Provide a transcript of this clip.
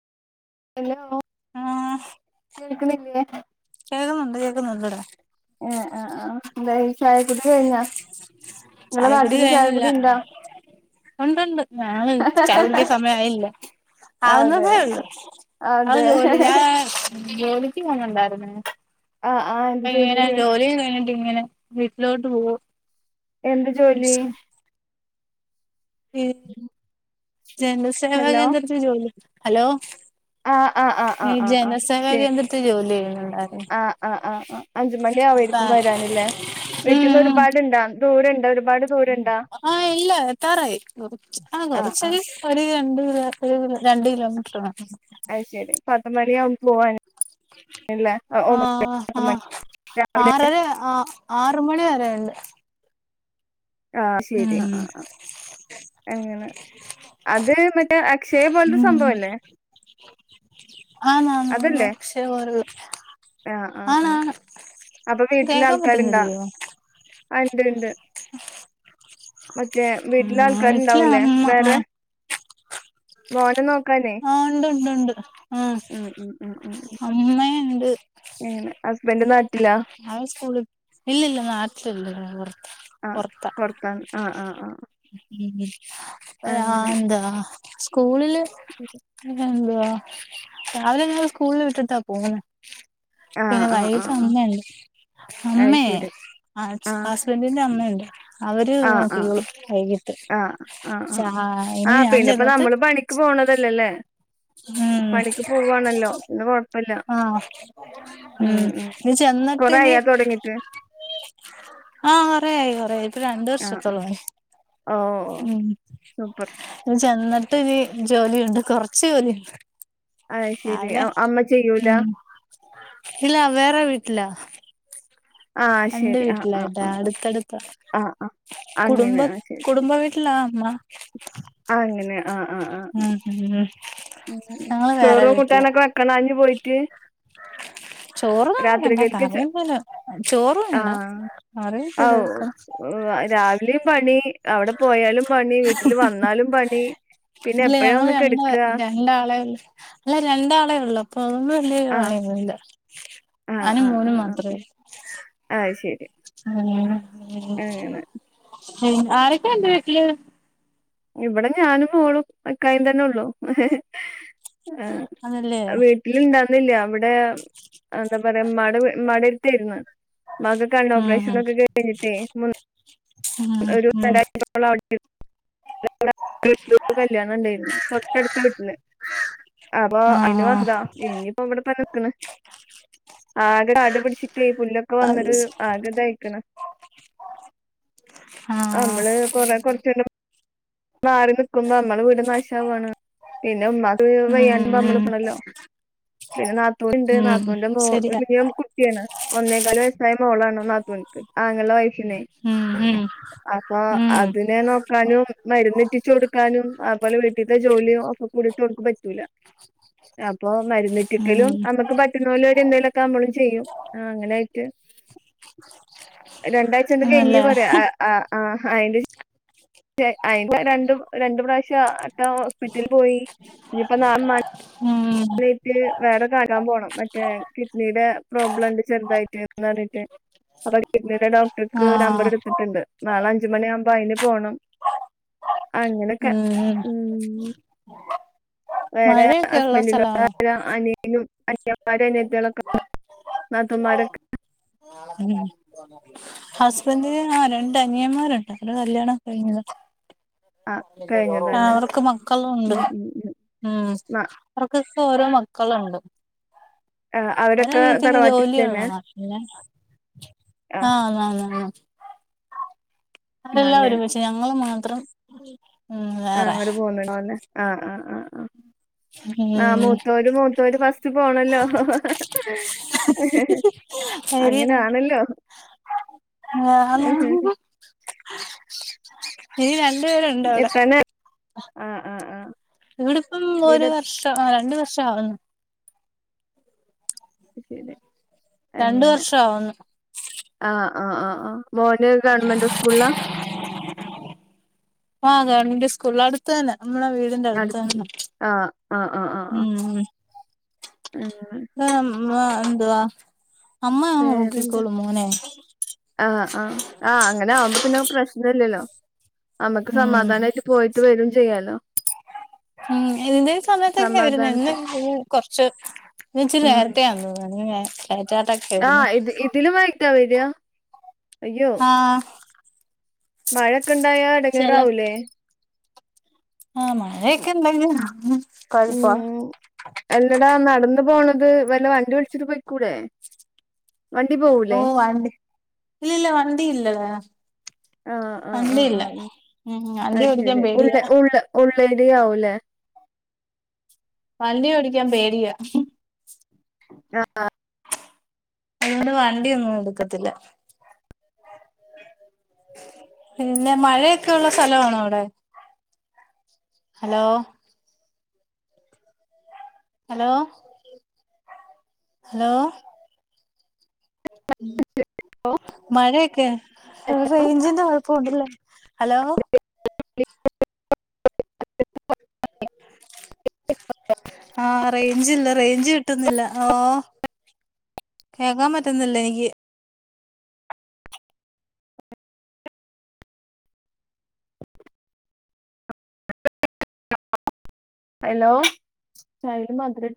Hello കേൾക്കണില്ലേ കേൾക്കുന്നുണ്ട് കേൾക്കുന്നുണ്ട് ഇടാ ആഹ് ആഹ് ആഹ് എന്താ ചായ കുടി കഴിഞ്ഞാ നിങ്ങള നാട്ടില് ചായകുടി ഇണ്ടാ ഉണ്ടണ്ട് ഞാൻ ചായകുടിക്കാൻ സമയയില്ല അതെ ആവുന്നതേ ഉള്ളു അവ അതെ ജോലി ഞാൻ ജോലിക്ക് പോന്നണ്ടായിരുന്ന ആഹ് ആഹ് എന്ത് അപ്പ ഇങ്ങനെ ജോലി കഴിഞ്ഞിട്ട് ഇങ്ങനെ വീട്ടിലോട്ട് പോകും എന്ത് ജോലി ഇ [unintelligible] ചനസേവാ ഹലോ കേന്ദ്രത്തി ജോലി ഹലോ ആഹ് ആഹ് ആഹ് ഈ ആഹ് ആഹ് ആഹ് ജനസേവ ശരി കേന്ദ്രത്തിൽ ജോലി ചെയ്യുന്നുണ്ടാര് ആഹ് ആഹ് ആഹ് ആഹ് [unintelligible] വീട്ടീന്ന് ഒരുപാട്ണ്ട ദൂരണ്ട് ഒരുപാട് ദൂരുണ്ട് ആഹ് ഇല്ല എത്തറായി ആഹ് ഗറച്ചരി ഒരു രണ്ട് ക രണ്ട് കിലോമീറ്റർ വേ അയ്ശരി പദമലയാക്പ പോകാന് ആഹ് മണി ആഹ് രാവിലെ ആറല്ലേ ആഹ് ആറ് മണി വരെയ ഉണ്ട് ആഹ് ശരി ആഹ് ആഹ് അങ്ങനെ അത് മറ്റേ അക്ഷയെ പോലത്തെ ഉം സംഭവല്ലെ [unintelligible] ആണാണ് അതല്ലേ ആക്ഷേയപൊലുള്ള ആഹ് ആഹ് ആണ് ആഹ് ആണ് അപ്പൊ വീട്ടില് കേക്കാൻ ആൾക്കാരുണ്ടാ പറ്റുനില്ലയോ ആഹ് ഇണ്ട് ഇണ്ട് മറ്റേ വീട്ടിലെ ആഹ് വീട്ടില് ആൾക്കാരുണ്ടാവൂല്ലേ അമ്മ വേറെ ആഹ് മോന നോക്കാനേ ആഹ് ഇണ്ട് ഇണ്ട് ഇണ്ട് ആഹ് ഉം ഉം അമ്മ ഏങ്ങനെ ഹസ്ബന്ഡ നട്ടില്ല അഹ് സ്കൂള ഇല്ല ഇില്ല നാട്ടില്ലല്ല ആഹ് പുറത്തൻ ആഹ് ആഹ് ആഹ് ഉം ആഹ് എന്താ സ്കൂളില് ഓക്കെ അഹ് പിന്നെന്തുവ രാവിലെ ഞങ്ങൾ സ്കൂളിൽ വിട്ടിട്ടാ പോകുന്ന ആഹ് പിന്നെ ആഹ് വൈകിട്ട് ആഹ് ആഹ് അമ്മയണ്ട് അത് അമ്മയ ശരി [unintelligible] ആഹ് ഹസ്ബന്റിന്റെ അമ്മുണ്ട് അവര് ആഹ് ആഹ് നോക്കോളു വൈകിട്ട് ആഹ് ആഹ് ഇനി ഞാൻ ചെന്നിട്ട് ക്ക് പോണതല്ലല്ലേ ഉം പണിക്ക് പോവാവാണല്ലോ പിന്നെ കൊഴപ്പില്ല ആഹ് ഉം ഉം ഇനി ചെന്നിട്ട് ഇനി കൊറഅയാ തുടങ്ങീട്ട് ആഹ് കുറെയി കുറെയി ഒരു രണ്ടു ആഹ് ആഹ് വർഷത്തോളം ആയി ഓഹ് ഉം സൂപ്പർ അഹ് ചെന്നിട്ടു ജോലിയുണ്ട് കൊറച്ച് ജോലിയുണ്ട് അത് ശരി ആല്ലെ അ- അമ്മ ചെയ്യൂല ഉം ഇല്ല വേറെ വീട്ടിലാ ആഹ് രണ്ട് ശരി ആഹ് ആഹ് വീട്ടിലയിട്ടാ ആഹ് അടുത്തടുത്ത ആഹ് ആഹ് ആഹ് കുടുംബ അങ്ങനെ ആഹ് ശരി ശരി കുടുംബ വീ വീട്ടില അമ്മ ആഹ് അങ്ങനെ ആഹ് ആഹ് ആഹ് ഉം ഉം ആഹ് ഞങ്ങള് ചോറ കൂട്ടാനൊക്കെ കണാഞ്ഞഞ് പോയിട്ട് ചോറും അങ്ങക്കണ്ടാ രാത്രികൽക്ക് ചെ കറിയന്തലും ചോറും വേണ്ട ആഹ് കറി ചെയ്ത് വെക്കണം രാവിലെയും പണി അവിടെ പോയാലും പണി വീട്ടിൽ വന്നാലും പണി പിന്നെ എപ്പഴാ ഒന്ന് കിടക്കാ രണ്ടാളെള്ള അല്ല രണ്ടാളേ ഉള്ളു അപ്പൊ അതൊന്നും വല്ലരു ആഹ് കാണണ്ട് ഞാനും മോനും മാത്രമേ ആയ്ശെരി ആരൊക്കെ എണ്ട് വീട്ടില് ഇവിടെ ഞാനും പോളും ഇക്കായു തന്നെ ഉള്ളൂ [unintelligible] അതല്ലേ [unintelligible] ഇണ്ടന്നില്ല അവിടെ എന്താ പറയാ ഉമ്മടെ മടരുത്തിയിരുന്ന ഉമ്മാക്ക് കണ്ണ് ഉം ഓപെഷൻ ഉം ഒക്കെ കഴഞ്ഞട്ടെ ഉം ഉം [inaudible] അടുത്ത വീട്ടിൽ ഒരു കല്യാണം ഉണ്ടായിന്ന തൊട്ടടുത്ത വീട്ടില് അപ്പൊ അതിന് ആഹ് വന്നത ഇനിയിപ്പോ ഇവിടെ തന്നെനിക്കണ ആകടെ കാലു പിടിച്ച ഈ പുല്ലൊക്കെ ആഹ് വന്നട്ടരു ആഗത അയക്കണം ആഹ് നമ്മള് കൊറ കൊറച്ചൂ മാറി നിക്കുമ്പോ നമ്മളെ വീട് നാശവുവാണ് പിന്നെ ഉമമാ [unintelligible] ഉം വയ്യാണ്ട് നമ്മള് ഉം നിക്കണന്നല്ലോ പിന്നെ നാത്തൂൻ ഇണ്ട് ഉം നാത്തൂൻ്റെ ശരിയാ മോള് ഒന്നേക്കാല് വസ്സായ മോളാണോ നാത്തുണക്ക് ആങ്ങളുടെ വൈഫിനെ ഉം ഉം അപ്പൊ ഉം അതിനെ നോക്കാനും മരുന്നെട്ടിച്ചു കൊടുക്കാനും അപോലെ വീട്ടിലത്തെ ജോലിയും ഒക്കെ കുടിട്ട് അവക്ക് പറ്റൂല അപ്പൊ മരുന്ന് ഒറ്റരിക്കലും ഉം നമ്മുക്ക് പറ്റുന്ന പോലര് എന്തെലുമൊക്കെ നമ്മളും ചെയ്യും അങ്ങനൊയിട്ട് രണ്ടാഴ്ച എണ്ട് കഴഞ്ഞി ആണല്ലേ പറയാ ആഹ്ആഹ് ആഹ് അന്റെ അയിൻ്റെ രണ്ട് രണ്ടു പ്രാവശ്യം അട്ട ഹോസ്പിറ്റലിൽ പോയി ഇനിപ്പോ നാ ഉം നറ്റ് വേറെ കട്ടാൻ പോകണം മറ്റേ കിഡ്നിയുടെ പ്രോബ്ലം ഉണ്ട് ചെറുതായിട്ട്ന്ന് പറഞ്ഞട്ട് അപ്പൊ കിഡ്നിയുടെ ഡോക്ടർക്ക് നമ്പർ ആഹ് എടുത്തിട്ടുണ്ട് നാളെ അഞ്ചുമണിയ ആകുമ്പോ അതിന് പോകണം അങ്ങനൊക്കെ ഉം വേറെ മഴയൊക്കെ ഉള്ള ഹസ്ബൻഡ സ്ഥലമാണോ അനിയനും അനിയമാരും അനത്തക്കെ നാത്തന്മാരൊക്കെ ഉ ഹസ്ബന്ഡി ന് രണ്ട് അനിയന്മാരുണ്ട് അവടെ കല്യാണം കഴിഞ്ഞത് ആ കഴിഞ്ഞതല്ലേ അവർക്ക് മക്കളുണ്ട് ഉം ഉം ഉം ന- അവർക്കൊക്കെ ഓരോ മക്കളുണ്ട് ആ, ഒരു അവരൊക്കെ അനിയ ത്തിക്ക് തറവാട്ടിൽ തന്നെ ജോലിയുള്ളതാ പിന്നെ ആ ആഹ് ആഹ് അവരെല്ലാം ആണല്ലേ ഒരുമിച്ച് ഞങ്ങള് മാത്രം ഉം ആഹ് വേറെ അങ്ങോട്ട പോുന്നുണോല്ലെ ആഹ് ആഹ്ആഹ്ആഹ് ആഹ് ഉം മൂത്തോര്മൂത്തോര് ഫസ്റ്റ് പോണല്ലോ ഹിം ഹിം ശരി അങ്ങനൊണല്ലോ [unintelligible] ഇനി രണ്ടു പേരുണ്ട് അവിടെ എത്താനാ ആ ആ ആ ഇവിടിപ്പം ഒരു ഇവിടെ വർഷം രണ്ട് വർഷആക്ണ്.. [unintelligible] രണ്ട് അങ്ങനെ വർഷആവുന്നു.. ആഹ് ആഹ് ആഹ്ആഹ്മോന് ഗവൺമെന്റ് സ്കൂളിലാ ആഹ് ഗവൺമെന്റ് സ്കൂളിലാ അടുത്ത് തന്നെ നമ്മളെ വീ.. അടുത് ആ ആ ആഹ് ആ. ഹ്. മ്മ്ഹ് അങ്ങനെ [unintelligible] എന്തുവാ.. അമ്മ വേറെന്താ അവനോക്കിക്കോളും. മോനെ.. ആഹ് ആഹ് ആഹ്അങ്ങനെ ആവുമ്പോ പിന്നെ പ്രശ്നല്ല്യല്ലോ.. അമ്മക്ക് ഉം സമാധാനായിട്ട് പോയിട്ട് വരും ചെയ്യാലോ.. ഉം ഇതിന്റെ ഈ സമയത്തൊക്കെ സമാധാനത്തിൽ [unintelligible] കൊർച്ച് ഉം നേരത്തെ.. ണ [unintelligible] എറ്റാതെ ആഹ് ഇത് ഇതിലും വെകിട്ട വരാ അയ്യോ.. ആഹ്.. മഴൊക്കെണ്ടായാ എടങ്ങെറാവൂലേ.. ആഹ് മഴയൊക്കെ ണ്ടങ്കില കൊഴപ്പം.. എല്ലടാ നടന്ന് പോണത് വല്ല വണ്ടി വിളിച്ചിട്ട്. പോയിക്കൂടെ.. ഓ വണ്ടി ഇല്ല ഇല്ല വണ്ടി ഇല്ലടാ. ആഹ ആഹ് ആഹ് വണ്ടിയില്ല ആഹ് മ്മ് ഉം അ വണ്ടി ഓടിക്കാൻ ശരി പേടിയാ ഉള്ള്. ഉള്ള്. ഉള്ളേരിയാവുലേ.. വണ്ടി ഓടിക്കാൻ പേടിയാ.. ആഹ്. അതോണ്ട്. വണ്ടിയൊന്നുടുക്കത്തില്ല.. പിന്നെ മഴയൊക്കെ ഉള്ള സ്ഥലണോ അവടെ.. ഹലോ.. അലോ. ഹലോ.. മഴയൊക്കെ റൈഞ്ചിന്റെകൊഴപ്പ്‌.. പോകല്ലേ. ഹലോ.. [inaudible] ആഹ് റൈഞ്ച് ഇല്ല റൈഞ്ച് ഇട്ടുന്നില്ല ആഹ്. കേക്കാൻ പറ്റുന്നില്ല എന്കി.. ഹലോ ചയേൽ മധരട്ട്..